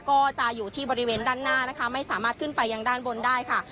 ก็จะอยู่ที่บริเวณด้านหน้านะคะไม่สามารถขึ้นไปยังด้านบนได้ค่ะ